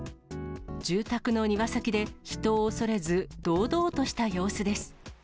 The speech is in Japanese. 住宅の庭先で人を恐れず堂々とした様子です。